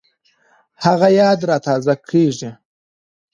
هغه یاد را تازه کېږي